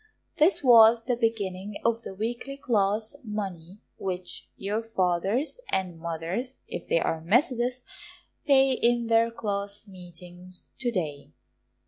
This was the beginning of the weekly class money which your fathers and mothers, if they are Methodists, pay in their class meetings to day.